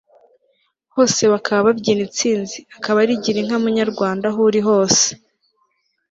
hose bakaba babyina intsinzi ikaba ari girinka munyarwanda aho uri hose